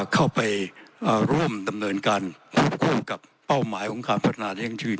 เข้าไปร่วมดำเนินการพบควมกับเป้าหมายของการพัฒนาที่ยั่งยืน